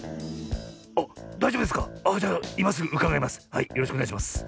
はいよろしくおねがいします。